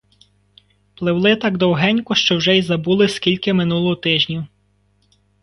Пливли так довгенько, що вже й забули, скільки минуло тижнів.